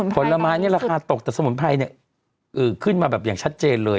ผลไม้เนี่ยราคาตกแต่สมุนไพรเนี่ยขึ้นมาแบบอย่างชัดเจนเลย